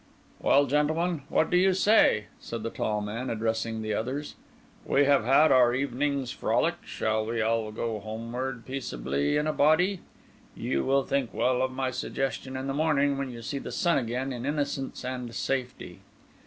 "Well, gentlemen, what do you say?" said the tall man, addressing the others. "We have had our evening's frolic; shall we all go homeward peaceably in a body? You will think well of my suggestion in the morning, when you see the sun again in innocence and safety."